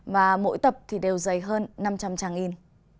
và mỗi tập thì đều dày hơn năm trăm linh trang in